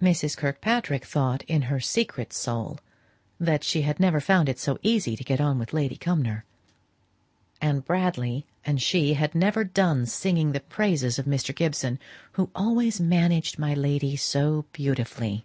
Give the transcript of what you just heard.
Mrs. Kirkpatrick thought in her secret soul that she had never found it so easy to get on with Lady Cumnor; and Bradley and she had never done singing the praises of Mr. Gibson, "who always managed my lady so beautifully."